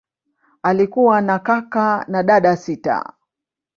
Alikuwa na kaka na dada sita.